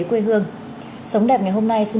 quê hương sống đẹp ngày hôm nay xin